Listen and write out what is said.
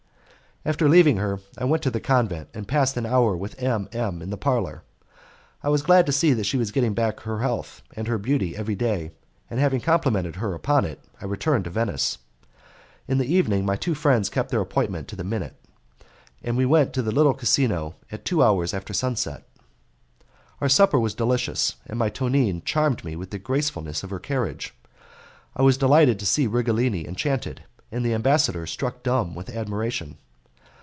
After leaving her I went to the convent and passed an hour with M. M. in the parlour. I was glad to see that she was getting back her health and her beauty every day, and having complimented her upon it I returned to Venice. In the evening my two friends kept their appointments to the minute, and we went to my little casino at two hours after sunset. Our supper was delicious, and my Tonine charmed me with the gracefulness of her carriage. I was delighted to see Righelini enchanted, and the ambassador dumb with admiration.